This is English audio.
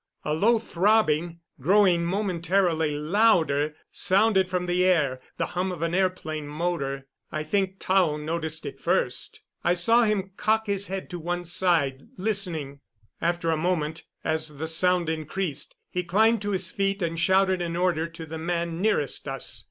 A low throbbing, growing momentarily louder, sounded from the air the hum of an airplane motor. I think Tao noticed it first I saw him cock his head to one side, listening. After a moment, as the sound increased, he climbed to his feet and shouted an order to the man nearest us.